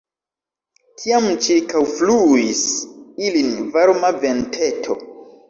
Tiam ĉirkaŭfluis ilin varma venteto.